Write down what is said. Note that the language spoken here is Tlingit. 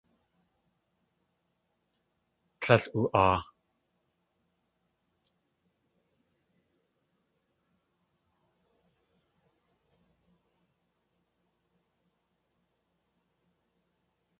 Tlél u.aa.